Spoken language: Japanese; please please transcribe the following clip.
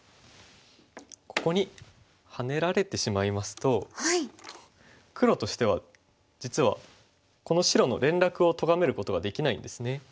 ここにハネられてしまいますと黒としては実はこの白の連絡をとがめることができないんですね。